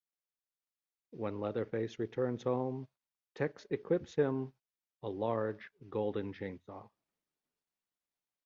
When Leatherface returns home, Tex equips him a large golden chainsaw.